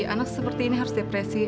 anak seperti ini harus depresi